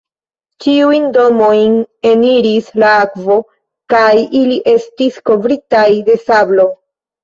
Ĉiujn domojn eniris la akvo kaj ili estis kovritaj de sablo.